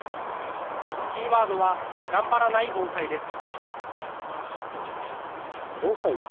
キーワードは頑張らない防災です。